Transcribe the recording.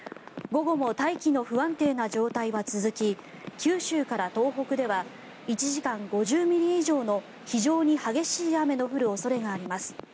午後も大気の不安定な状態は続き九州から東北では１時間５０ミリ以上の非常に激しい雨の降る恐れがあります。